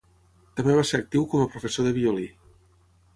També va ser actiu com a professor de violí.